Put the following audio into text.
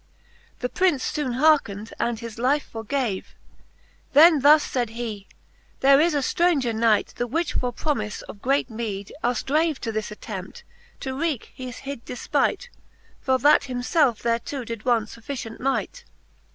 The Prince foone hearkned, and his life forgave. Then thus faid he; There is a ftraunger Knight, The which, for promife of great meed, us drave To this attempt, to wreake his hid delpight. For that himfelfe thereto did want fufficient might.